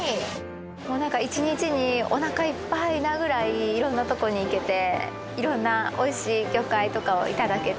一日におなかいっぱいなくらいいろんなとこに行けていろんなおいしい魚介とかをいただけて。